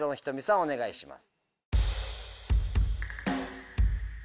お願いします。